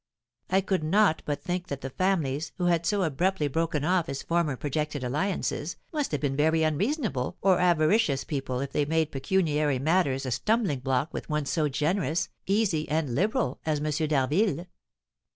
I could not but think that the families, who had so abruptly broken off his former projected alliances, must have been very unreasonable or avaricious people if they made pecuniary matters a stumbling block with one so generous, easy, and liberal as M. d'Harville."